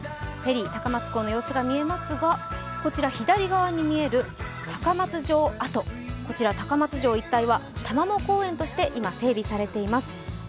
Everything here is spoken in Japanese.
フェリー、高松港の様子が見えますが、左側に見える高松城跡、高松城一帯は公園として整備されています。